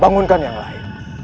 bangunkan yang lain